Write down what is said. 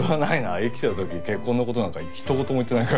生きてる時結婚の事なんかひと言も言ってないから。